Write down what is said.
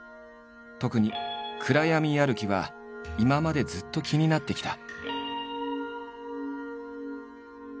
特に暗闇歩きは今までずっと気になってきた。